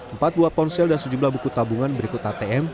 empat buah ponsel dan sejumlah buku tabungan berikut atm